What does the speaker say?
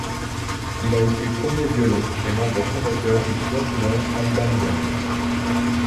Il a été premier violon et membre fondateur du Quatuor Alban Berg.